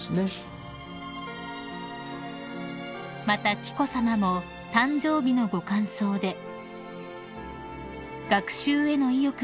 ［また紀子さまも誕生日のご感想で］